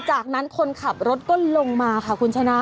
จากนั้นคนขับรถก็ลงมาค่ะคุณชนะ